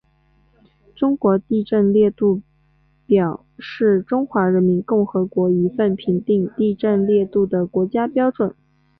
中国地震烈度表是中华人民共和国一份评定地震烈度的国家标准。